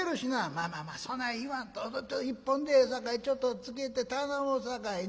「まあまあまあそない言わんと一本でええさかいちょっとつけて頼むさかいな。